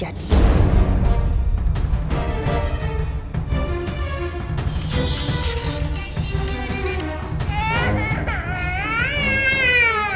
ma silahkan bru